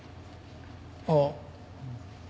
ああ。